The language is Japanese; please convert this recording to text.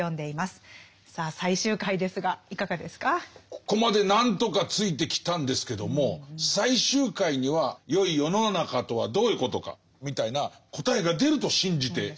ここまで何とかついてきたんですけども最終回にはよい世の中とはどういうことかみたいな答えが出ると信じて来ていますが。